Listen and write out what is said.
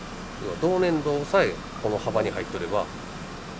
動粘度さえこの幅に入っとれば。